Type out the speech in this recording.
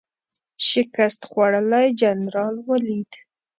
شکست خوړلی جنرال ولید.